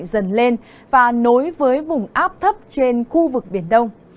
mưa sẽ dần lên và nối với vùng áp thấp trên khu vực biển đông